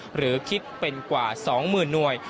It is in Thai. หรือคิดเป็นกว่า๒๐๐๐หน่วย